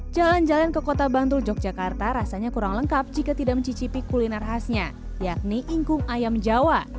jalan jalan ke kota bantul yogyakarta rasanya kurang lengkap jika tidak mencicipi kuliner khasnya yakni ingkung ayam jawa